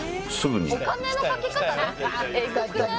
「お金のかけ方エグくない？」